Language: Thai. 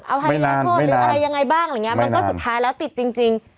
เอาให้รับโทษหรืออะไรยังไงบ้างอะไรอย่างเงี้มันก็สุดท้ายแล้วติดจริง